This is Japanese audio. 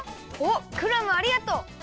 おっクラムありがとう！